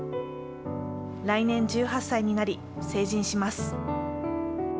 来年１８歳になり成人します。